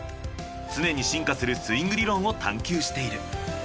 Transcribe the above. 常に進化するスイング理論を探求している。